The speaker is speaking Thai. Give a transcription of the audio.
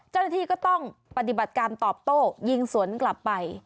เจ้าหน้าที่ก็ต้องปฏิบัติการตอบโต้ยิงสวนกลับไป